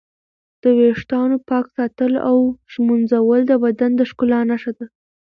د ویښتانو پاک ساتل او ږمنځول د بدن د ښکلا نښه ده.